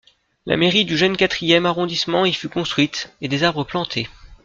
La mairie du jeune quatrième arrondissement y fut construite, et des arbres plantés.